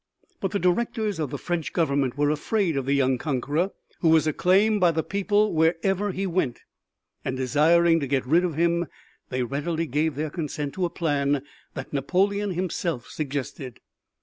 But the Directors of the French Government were afraid of the young conqueror who was acclaimed by the people wherever he went, and desiring to get rid of him they readily gave their consent to a plan that Napoleon himself suggested.